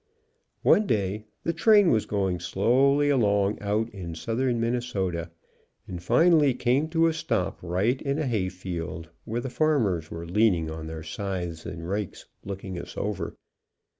One day the train was going slowly along out in southern Minnesota, and finally came to a stop right in a hay field, where the farmers were leaning on their scythes and rakes, looking us over.